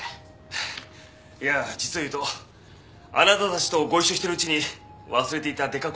いや実を言うとあなたたちとご一緒してるうちに忘れていたデカ